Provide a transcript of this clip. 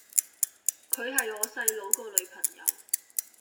佢係我細佬個女朋友